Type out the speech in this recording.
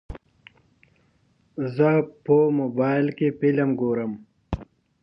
زه په موبایل کې فلم ګورم.